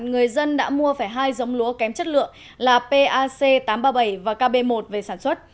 người dân đã mua phải hai giống lúa kém chất lượng là pac tám trăm ba mươi bảy và kb một về sản xuất